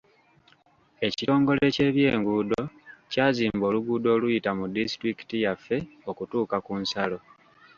Ekitongole ky'ebyenguudo kyazimba oluguudo oluyita mu disitulikiti yaffe okutuuka ku nsalo.